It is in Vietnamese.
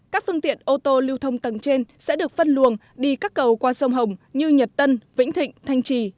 các phương tiện ô tô lưu thông tầng trên sẽ được phân luồng đi các cầu qua sông hồng như nhật tân vĩnh thịnh thanh trì